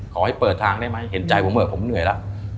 ขอให้เปิดทางได้ไหมเห็นใจผมเถอะผมเหนื่อยแล้ว